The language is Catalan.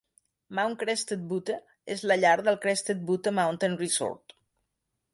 Mount Crested Butte és llar del Crested Butte Mountain Resort.